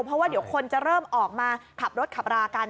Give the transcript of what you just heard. เพราะว่าเดี๋ยวคนจะเริ่มออกมาขับรถขับรากัน